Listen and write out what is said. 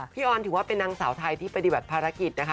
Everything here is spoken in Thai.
ออนถือว่าเป็นนางสาวไทยที่ปฏิบัติภารกิจนะคะ